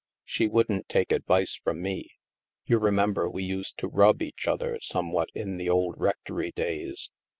She wouldn't take advice from me ; you remember we used to rub each other some what in the old rectory days.